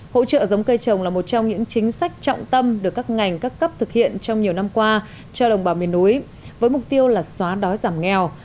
hỗ trợ giống cây trồng là một trong những chính sách trọng tâm được các ngành các cấp thực hiện trong nhiều năm qua cho đồng bào miền núi với mục tiêu là xóa đói giảm nghèo